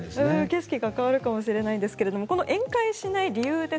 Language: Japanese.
景色が変わるかもしれないんですがこの宴会しない理由